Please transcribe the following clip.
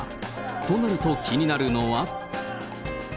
となると、気になるのは。